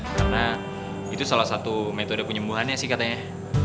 karena itu salah satu metode penyembuhannya sih katanya